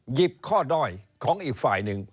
หยิบข้อด้อยของอีกฝ่ายหนึ่ง